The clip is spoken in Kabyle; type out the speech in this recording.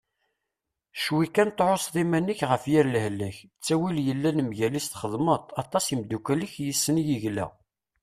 Cwi kan tεusseḍ iman-ik ɣef yir lehlak, ttawil yellan mgal-is txedmeḍ-t, aṭas imeddukal-ik yes-s yegla.